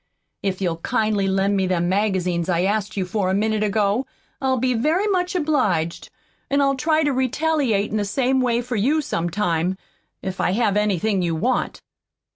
If you'll kindly lend me them magazines I asked you for a minute ago, I'll be very much obliged, an' I'll try to retaliate in the same way for you some time, if I have anything you want."